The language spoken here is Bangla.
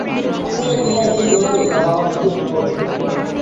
আসলে, তোমায় কী বলবো তা ভাবার সুযোগ হয়ে ওঠেনি।